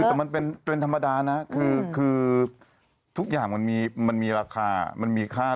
คือมันเป็นเป็นธรรมดานะคือคือทุกอย่างมันมีมันมีราคามันมีค่า